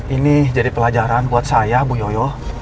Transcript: ini jadi pelajaran buat saya bu yoyo